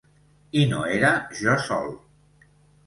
I no era jo sol.